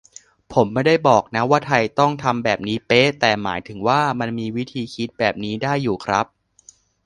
ผมไม่ได้บอกนะว่าไทยต้องทำแบบนี้เป๊ะ แต่หมายถึงว่า มันมีวิธีคิดแบบนี้ได้อยู่ครับ